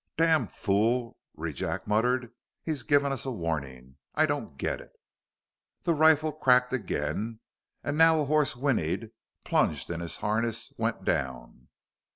"Damn fool," Rejack muttered. "He's giving us a warning. I don't get it." The rifle cracked again, and now a horse whinnied, plunged in his harness, went down.